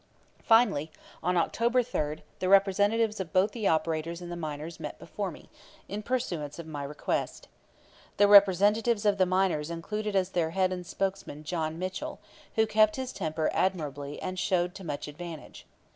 Finally, on October 3, the representatives of both the operators and the miners met before me, in pursuance of my request. The representatives of the miners included as their head and spokesman John Mitchell, who kept his temper admirably and showed to much advantage.